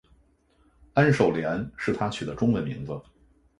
安守廉是他取的中文名字。